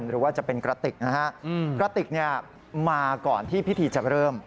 หรือว่าจะเป็นกระติกนะฮะกระติกเนี่ยมาก่อนที่พิธีจะเริ่ม